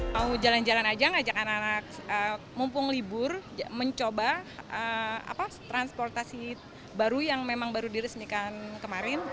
mau jalan jalan aja ngajak anak anak mumpung libur mencoba transportasi baru yang memang baru diresmikan kemarin